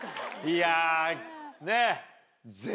いやねぇ。